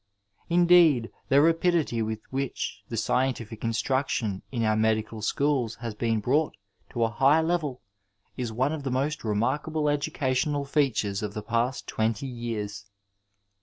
Indeed the rapidity with which the scientific instraction in onr medical schools has been brought to a high level is one ot the most r^narkable educational features of the past twenty years.